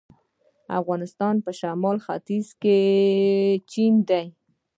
د افغانستان په شمال ختیځ کې چین دی